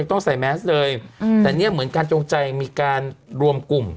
ต้องใส่แมสเลยแต่เนี่ยเหมือนการจงใจมีการรวมกลุ่ม